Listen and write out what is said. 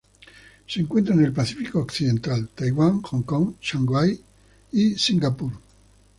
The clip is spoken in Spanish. Se encuentra en el Pacífico occidental: Taiwán, Hong Kong, Shanghái y Singapur.